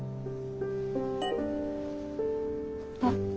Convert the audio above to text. あっ。